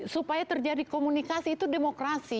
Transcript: supaya terjadi komunikasi itu demokrasi